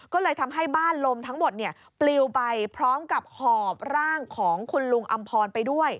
ก็เลยทำให้บ้านลมทั้งหมดปลิวไปพร้อมกับหอบร่างของคุณลุงอำพรไปด้วย